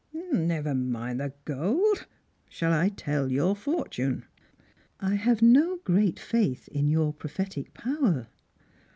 •' Never mind the gold. Shall I tell you your fortune ?" "I have no great faith in your prophetic power."